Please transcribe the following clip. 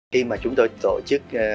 khi mà chúng tôi tổ chức